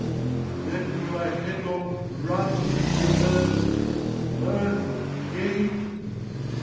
Then will I headlong run into the earth: Earth, gape!